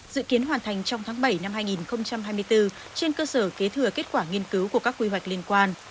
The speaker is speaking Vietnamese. dự kiến hoàn thành trong tháng bảy năm hai nghìn hai mươi bốn trên cơ sở kế thừa kết quả nghiên cứu của các quy hoạch liên quan